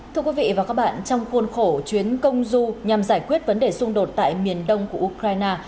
thưa quý vị và các bạn trong khuôn khổ chuyến công du nhằm giải quyết vấn đề xung đột tại miền đông của ukraine